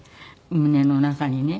胸の中にね。